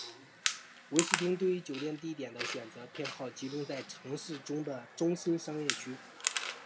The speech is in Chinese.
威士汀对于酒店地点的选择偏好集中在城市中的中心商业区。